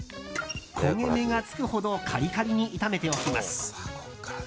焦げ目がつくほどカリカリに炒めておきます。